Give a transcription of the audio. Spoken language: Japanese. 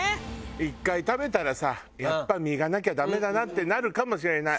１回食べたらさやっぱ身がなきゃダメだなってなるかもしれない。